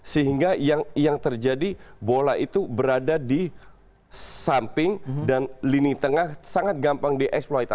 sehingga yang terjadi bola itu berada di samping dan lini tengah sangat gampang dieksploit